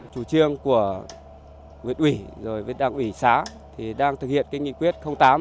chủ trương của nguyễn uỷ và đảng uỷ xá đang thực hiện nghị quyết tám